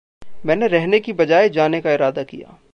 मैंने रहने की बजाय जाने का इरादा किया।